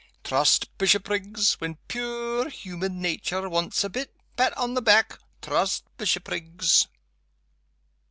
Trust Bishopriggs when puir human nature wants a bit pat on the back, trust Bishopriggs."